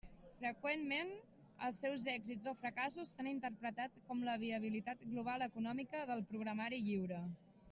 Freqüentment, els seus èxits o fracassos s'han interpretat com la viabilitat global econòmica del programari lliure.